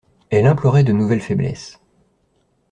Elle implorait de nouvelles faiblesses.